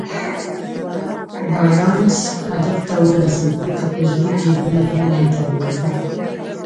بارنس هدف ته ورسېد ځکه په ژوند کې يې بله هيله نه درلوده.